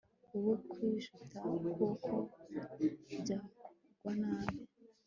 woye kwijujuta, kuko byakugwa nabi